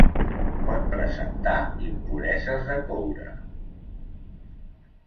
Pot presentar impureses de coure.